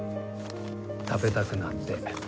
食べたくなって。